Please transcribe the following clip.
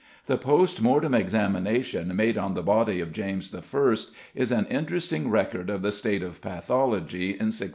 The post mortem examination made on the body of James I. is an interesting record of the state of pathology in 1625.